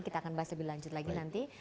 kita akan bahas lebih lanjut lagi nanti